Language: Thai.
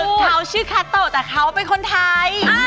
คือเขาชื่อคาโตแต่เขาเป็นคนไทย